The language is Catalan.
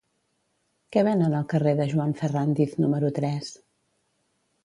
Què venen al carrer de Joan Ferrándiz número tres?